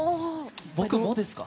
僕もですか。